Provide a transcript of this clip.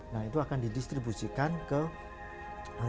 nah itu akan didistribusikan ke daerah daerah